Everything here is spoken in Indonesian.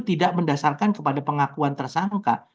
tidak mendasarkan kepada pengakuan tersangka